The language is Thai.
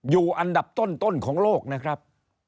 อยู่อันดับต้นของโลกนะครับ